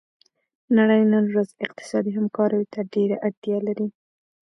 نړۍ نن ورځ اقتصادي همکاریو ته ډیره اړتیا لري